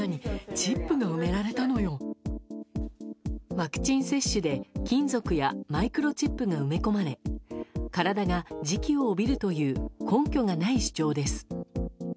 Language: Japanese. ワクチン接種で金属やマイクロチップが埋め込まれ体が磁気を帯びるという根拠がない主張です。